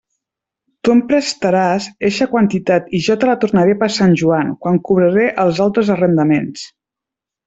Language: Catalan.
Tu em prestaràs eixa quantitat i jo te la tornaré per Sant Joan, quan cobraré els altres arrendaments.